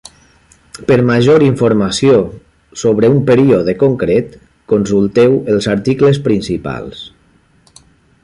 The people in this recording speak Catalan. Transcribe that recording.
Per major informació sobre un període concret, consulteu els articles principals.